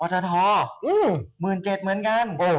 อรรถทอ๑๗เหมือนกัน